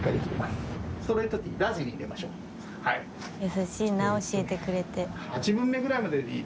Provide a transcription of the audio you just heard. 優しいな教えてくれて。